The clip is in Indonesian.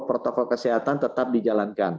protokol kesehatan tetap dijalankan